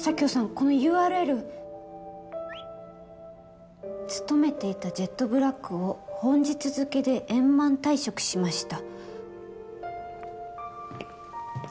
このＵＲＬ「勤めていたジェットブラックを本日付で円満退職しました！」